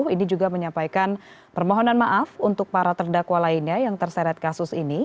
ini juga menyampaikan permohonan maaf untuk para terdakwa lainnya yang terseret kasus ini